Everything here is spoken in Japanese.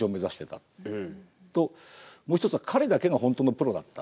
うん。ともう一つは彼だけが本当のプロだった。